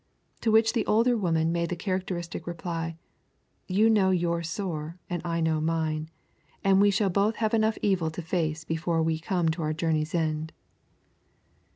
To which the older woman made the characteristic reply: 'You know your sore and I know mine, and we shall both have enough evil to face before we come to our journey's end.'